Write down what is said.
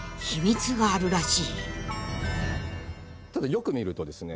ただよく見るとですね